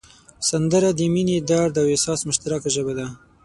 سندره د مینې، درد او احساس مشترکه ژبه ده